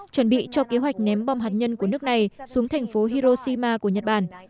chuẩn bị cho kế hoạch ném bom hạt nhân của nước này xuống thành phố hiroshima của nhật bản